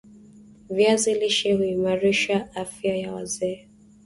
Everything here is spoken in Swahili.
Viazi lishe huimarisha afya ya wazee